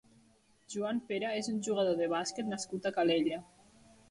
Joan Pera és un jugador de bàsquet nascut a Calella.